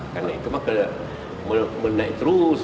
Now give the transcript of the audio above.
karena itu mah kena menaik terus